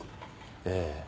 ええ。